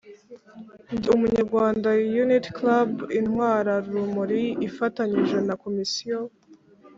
Ndi umunyarwanda unity club intwararumuri ifatanyije na komisiyo